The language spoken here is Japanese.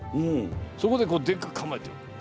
そこでこうでっかくかまえてる。